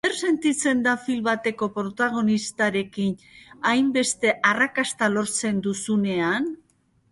Zer sentitzen da film bateko protagonistarekin hainbeste arrakasta lortzen duzunean?